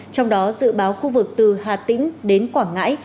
trong đó dự báo khu vực từ hà tĩnh đến quảng ngãi